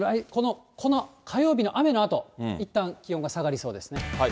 この火曜日の雨のあと、いったん気温が下がりそうですね。